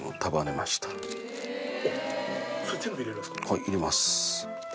はい入れます。